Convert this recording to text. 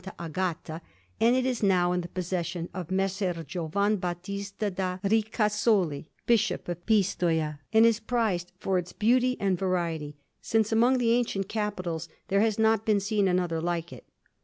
Agata; and it is now in the possession of Messer Giovan Battista da Ricasoli, Bishop of Pistoia, and is prized for its beauty and variety, since among the ancient capitals there has not been seen another like it.